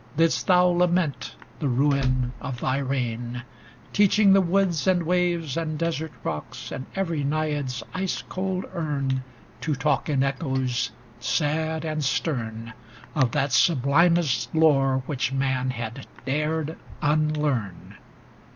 Didst thou lament the ruin of thy reign. Teaching the woods and waves, and desert rocks. And every Naiad's ice cold urn. To talk in echoes sad and stern, Of that sublimest lore which man had dared unlearn